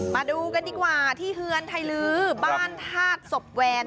มาดูกันดีกว่าที่เฮือนไทยลื้อบ้านธาตุศพแวน